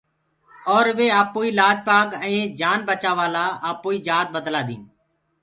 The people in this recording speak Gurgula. اورَ وي آپوڪيٚ لآج پآگ ائينٚ جآن بچآوآ لآ آپوئيٚ جآت بدلآ ديٚن۔